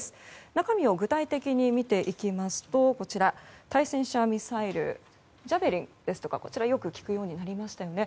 中身を具体的に見ていきますと対戦車ミサイルジャベリンですとかよく聞くようになりましたよね。